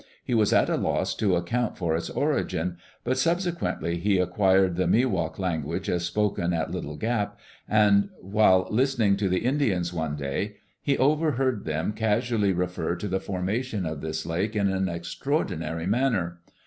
He was at a loss to account for its origin; but subsequently he acquired the Miwok language as spoken at Little Gap, and while listening to the Indians one day he overheard them casually refer to the formation of this lake in an extraordinary manner.